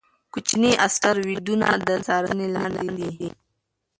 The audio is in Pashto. کوچني اسټروېډونه د څارنې لاندې دي.